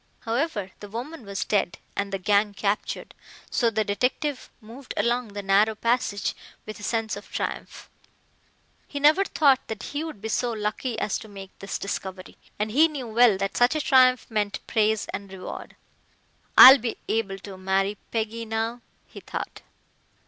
However, the woman was dead and the gang captured, so the detective moved along the narrow passage with a sense of triumph. He never thought that he would be so lucky as to make this discovery, and he knew well that such a triumph meant praise and reward. "I'll be able to marry Peggy now," he thought.